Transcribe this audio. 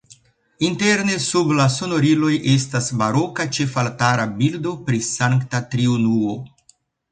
Interne sub la sonoriloj estas baroka ĉefaltara bildo pri Sankta Triunuo.